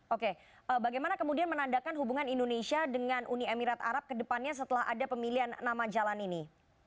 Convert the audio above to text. oke bagaimana kemudian menandakan hubungan indonesia dengan uni emirat arab ke depannya setelah ada pemilihan nama jalan ini